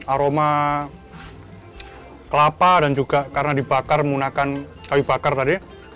aroma kelapa dan juga karena dibakar menggunakan kayu bakar tadi